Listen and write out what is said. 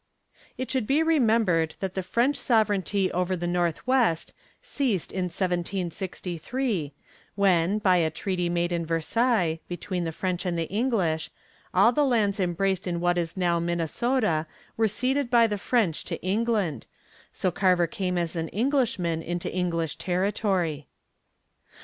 It should be remembered that the French sovereignty over the Northwest ceased in 1763, when, by a treaty made in Versailles, between the French and the English, all the lands embraced in what is now Minnesota were ceded by the French to England, so Carver came as an Englishman into English territory.